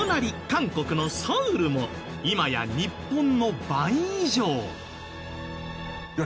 韓国のソウルも今や日本の倍以上！